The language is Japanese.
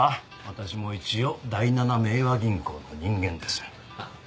私も一応第七明和銀行の人間です。